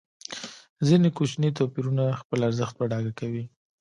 ځینې کوچني توپیرونه خپل ارزښت په ډاګه کوي.